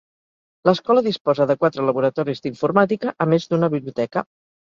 L'escola disposa de quatre laboratoris d'informàtica a més d'una biblioteca.